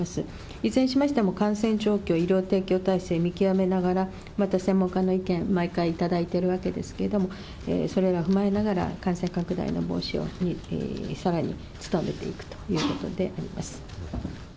いずれにしましても感染状況、医療提供体制見極めながら、また専門家の意見、毎回頂いているわけですけれども、それらを踏まえながら、感染拡大の防止にさらに努めていくということであります。